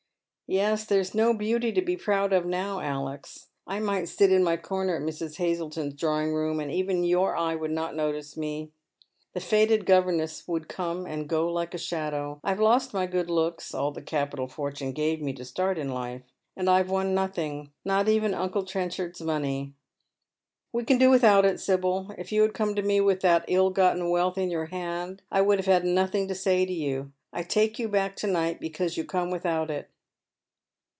Yes, there is no beauty to be proud of now, Alex. I might sst in my corner at Mrs. Hazleton's drawing room, and even your eye Avotdd not notice me. The faded governess would come and go like a shadow. I have lost my good looks — all the capital Fortune gave me to start in life — and I have won nothing — not even uncle Trenchard's money." " We can do without it, Sibyl. If you had come to me with that ill gotten wealth in your hand I would have had nothing to say to you. I take you back to night because you com* without it."